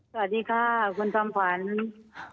สวัสดีค่ะคุณสมภัณฑ์